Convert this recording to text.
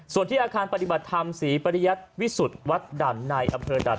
ส่วนที่อาคารปฏิบัติธรรมศรีปริยัติวิสุทธิ์วัดด่านในอำเภอด่าน